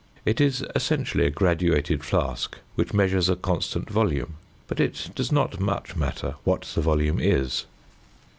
It is essentially a graduated flask, which measures a constant volume, but it does not much matter what the volume is.